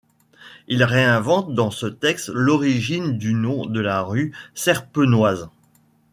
Il ré-invente dans ce texte l'origine du nom de la rue Serpenoise.